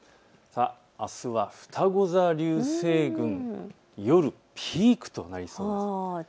あすはふたご座流星群、夜、ピークとなりそうです。